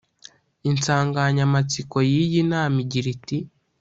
Insanganyamatsiko y’iyi nama igira iti